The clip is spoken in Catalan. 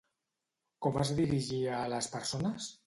Com es dirigia a les persones?